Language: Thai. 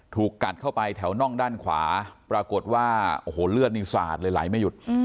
ถูกกัดเข้าไปแถวน่องด้านขวาปรากฏว่าโอ้โหเลือดนี่สาดเลยไหลไม่หยุด